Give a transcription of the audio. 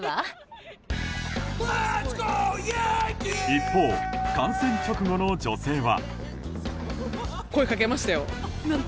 一方、観戦直後の女性は。